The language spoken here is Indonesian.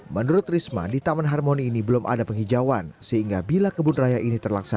menurut risma di taman harmoni ini belum ada penghijauan sehingga bila kebun raya ini terlaksana